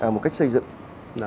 một cách xây dựng